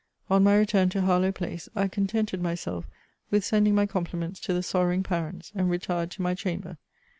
On my return to Harlowe place, I contented myself with sending my compliments to the sorrowing parents, and retired to my chamber.